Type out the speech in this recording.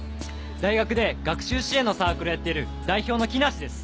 大学で学習支援のサークルをやっている代表の木梨です。